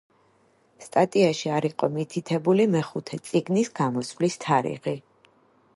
სტატიაში არ იყო მითითებული მეხუთე წიგნის გამოსვლის თარიღი.